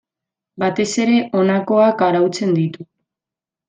Batez ere honakoak arautzen ditu.